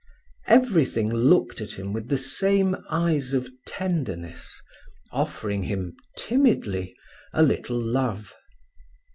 Everything looked at him with the same eyes of tenderness, offering him, timidly, a little love.